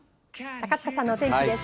高塚さんのお天気です。